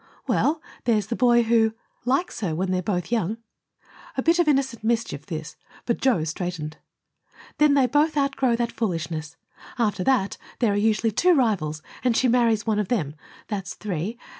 "Well, there's the boy who likes her when they're both young." A bit of innocent mischief this, but Joe straightened. "Then they both outgrow that foolishness. After that there are usually two rivals, and she marries one of them that's three.